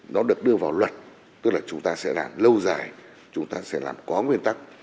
nó được đưa vào luật tức là chúng ta sẽ làm lâu dài chúng ta sẽ làm có nguyên tắc